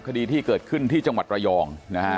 คดีที่เกิดขึ้นที่จังหวัดระยองนะฮะ